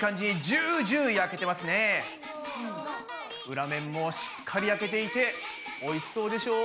裏面もしっかり焼けていておいしそうでしょう？